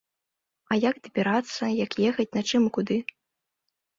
А як дабірацца, як ехаць, на чым і куды?